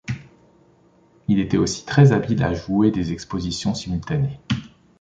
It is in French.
Il était aussi très habile à jouer des expositions simultanées.